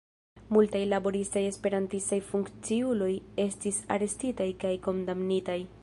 Multaj laboristaj Esperantistaj funkciuloj estis arestitaj kaj kondamnitaj.